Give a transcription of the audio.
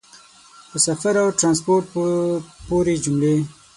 په سفر او ټرانسپورټ پورې جملې